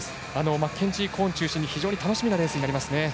マッケンジー・コーン中心に非常に楽しみなレーンになります。